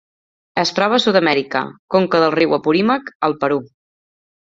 Es troba a Sud-amèrica: conca del riu Apurímac al Perú.